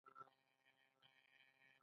آیا حمزه بابا د پښتو غزل پلار نه دی؟